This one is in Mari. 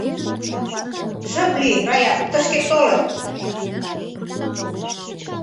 — Шып лий, Раят, тышке толыт!